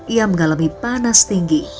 ia mengalami panas tinggi